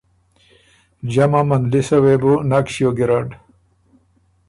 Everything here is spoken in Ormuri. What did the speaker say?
جمه مندلِسه وې بو نک ݭیوک ګیرډ۔